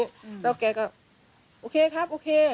แล้วแกก็โอเคครับโอเค